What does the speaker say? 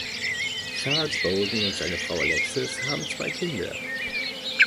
Charles Bolden und seine Frau Alexis haben zwei Kinder.